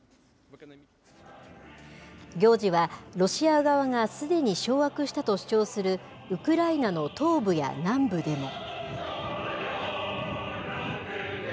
行事は、ロシア側がすでに掌握と主張するウクライナの東部や南部でも。